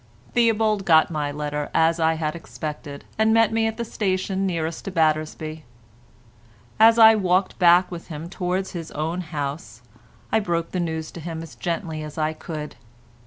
Theobald got my letter as I had expected, and met me at the station nearest to Battersby. As I walked back with him towards his own house I broke the news to him as gently as I could.